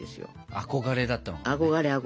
憧れだったのね。